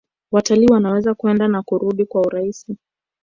Watalii wanaweza kwenda na kurudi kwa urahisi